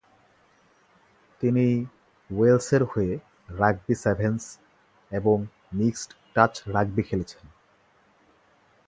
তিনি ওয়েলসের হয়ে রাগবি সেভেনস এবং মিক্সড টাচ রাগবি খেলেছেন।